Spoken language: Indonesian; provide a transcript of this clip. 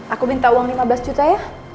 aku minta uang lima belas juta ya